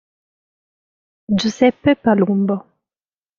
Giuseppe Palumbo